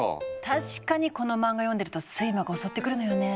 確かにこの漫画読んでると睡魔が襲ってくるのよね。